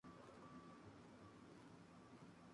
La mayoría de aceites de trufa no se hace de trufas reales.